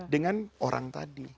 dengan orang tadi